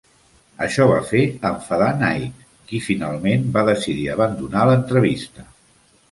Això va fer enfadar Knight, qui finalment va decidir abandonar l'entrevista.